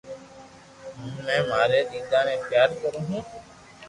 ھون بي ماري ئيتا ني پيار ڪرو ھون